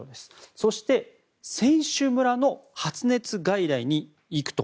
そして、選手村の発熱外来に行くと。